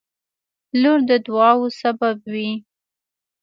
• لور د دعاوو سبب وي.